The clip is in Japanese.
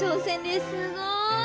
すごい！